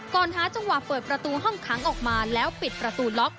หาจังหวะเปิดประตูห้องขังออกมาแล้วปิดประตูล็อก